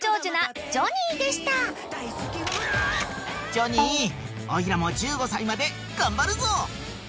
ジョニーおいらも１５歳まで頑張るぞ。